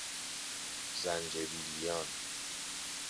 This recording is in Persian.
زنجبیلیان